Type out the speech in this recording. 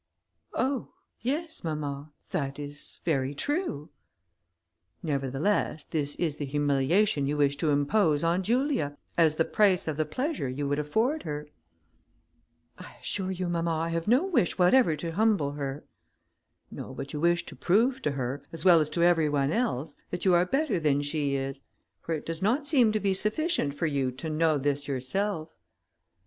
"Oh! yes, mamma, that is very true." "Nevertheless this is the humiliation you wish to impose on Julia, as the price of the pleasure you would afford her." "I assure you, mamma, I have no wish whatever to humble her." "No, but you wish to prove to her, as well as to every one else, that you are better than she is; for it does not seem to be sufficient for you to know this yourself."